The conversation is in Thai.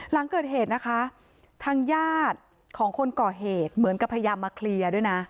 หลังเกิดเหตุนะคะทางญาติของคนก่อเหตุเหมือนกับพยายามมาเคลียร์ด้วยนะ